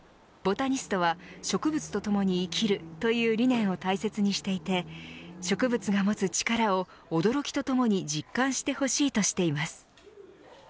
ＢＯＴＡＮＩＳＴは植物と共に生きるという理念を大切にしていて植物が持つ力を驚きとともに実感してほしいとしています。